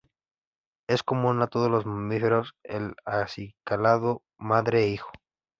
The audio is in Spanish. Es común a todos los mamíferos el acicalado madre-hijo.